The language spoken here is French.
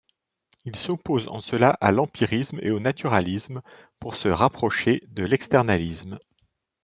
Il s’oppose en cela à l’empirisme et au naturalisme pour se rapprocher de l’externalisme.